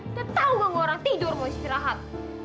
udah tau gak orang tidur mau istirahat